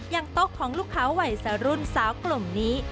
โต๊ะของลูกค้าวัยสรุ่นสาวกลุ่มนี้